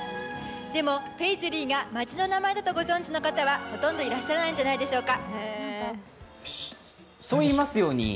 でもペーズリーが町の名前だとご存じの方はほとんどいらっしゃらないんじゃないでしょうか。